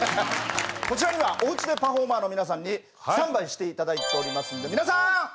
こちらにはおうちでパフォーマーの皆さんにスタンバイして頂いておりますんで皆さんよろしくお願いいたします。